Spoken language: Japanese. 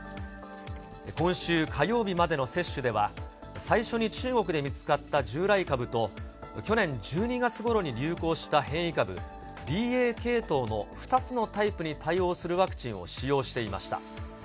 今週火曜日までの接種では、最初に中国で見つかった従来株と、去年１２月ごろに流行した変異株、ＢＡ系統の２つのタイプに対応するワクチンを使用していました。